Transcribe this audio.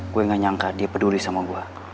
gue gak nyangka dia peduli sama gue